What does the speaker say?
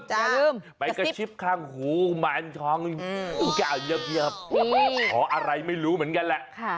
อย่าลืมไปกระชิบคลังโหแมนทองอ๋ออะไรไม่รู้เหมือนกันแหละค่ะ